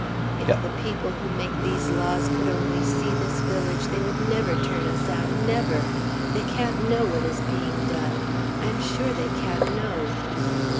"If the people who make these laws could only see this village, they would never turn us out, never! They can't know what is being done. I am sure they can't know."